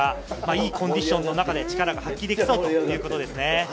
コンディションの中で力が発揮できそうということですね。